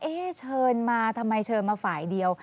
เชิญมาทำไมเชิญมาฝ่ายเดียว